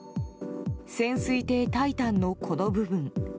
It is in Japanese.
潜水艇「タイタン」の、この部分。